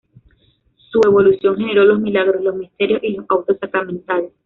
Su evolución generó los milagros, los misterios y los autos sacramentales.